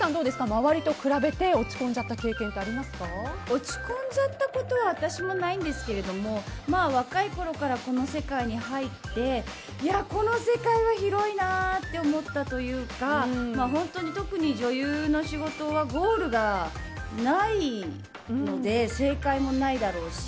周りと比べて落ち込んだ経験って落ち込んじゃったことは私もないんですけど若いころからこの世界に入ってこの世界は広いなと思ったというか本当に特に女優の仕事はゴールがないので正解もないだろうし。